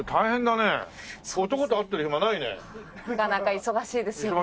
なかなか忙しいですよね。